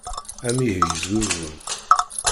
Amihi yesgugum.